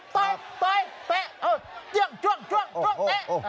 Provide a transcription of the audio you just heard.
ต่อยต่อยเตะอ้าวเจี้ยงจ้วงจ้วงจ้วงเตะโอ้โหโอ้โห